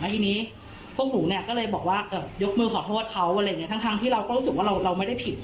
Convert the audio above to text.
ทีนี้พวกหนูเนี่ยก็เลยบอกว่ายกมือขอโทษเขาอะไรอย่างนี้ทั้งที่เราก็รู้สึกว่าเราไม่ได้ผิด